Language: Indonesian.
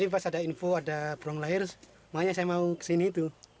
makanya saya mau kesini tuh